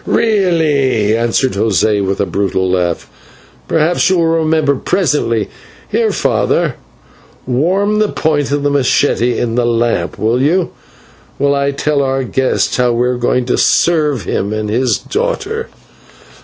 "Really," answered José with a brutal laugh, "perhaps you will remember presently. Here, father, warm the point of the /machete/ in the lamp, will you, while I tell our guest how we are going to serve him and his daughter."